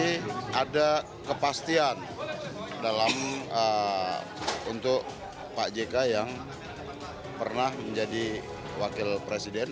tapi ada kepastian untuk pak jk yang pernah menjadi wakil presiden